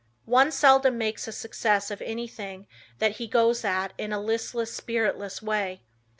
One seldom makes a success of anything that he goes at in a listless, spiritless way.